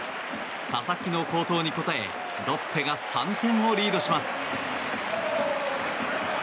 佐々木の好投に応えロッテが３点をリードします。